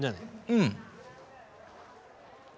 うん。